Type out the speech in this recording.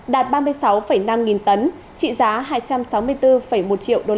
đạt ba mươi sáu năm nghìn tấn trị giá hai trăm sáu mươi bốn một triệu usd